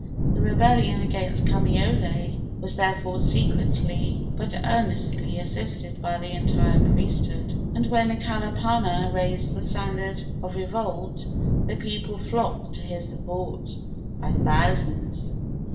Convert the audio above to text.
The rebellion against Kamaiole was therefore secretly but earnestly assisted by the entire priesthood, and when Kalapana raised the standard of revolt the people flocked to his support by thousands.